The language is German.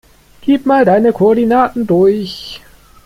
Gib mal deine Koordinaten durch.